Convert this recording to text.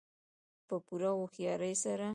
په پوره هوښیارۍ سره.